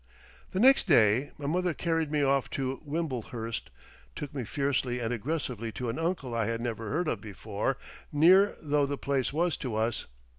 The next day my mother carried me off to Wimblehurst, took me fiercely and aggressively to an uncle I had never heard of before, near though the place was to us.